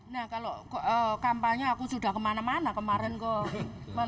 nah kalau kampanye aku sudah kemana mana kemarin kok